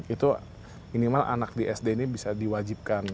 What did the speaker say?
itu minimal anak di sd ini bisa diwajibkan